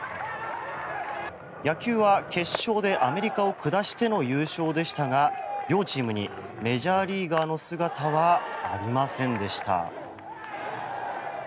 野球は決勝でアメリカを下しての優勝でしたが両チームにメジャーリーガーの姿はありませんでした。